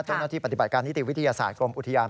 เจ้าหน้าที่ปฏิบัติการนิติวิทยาศาสตร์กรมอุทิอารณ์